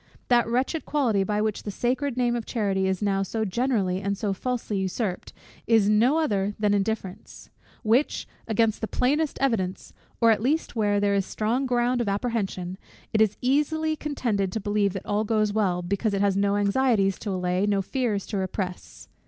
That wretched quality, by which the sacred name of charity is now so generally and so falsely usurped, is no other than indifference; which, against the plainest evidence, or at least where there is strong ground of apprehension, is easily contented to believe that all goes well, because it has no anxieties to allay, no fears to repress.